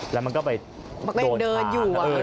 แล้วมันก็ไปโดนช้าง